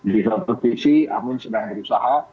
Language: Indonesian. di satu visi amin sedang berusaha